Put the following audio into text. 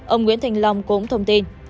ông nguyễn thành long cũng thông tin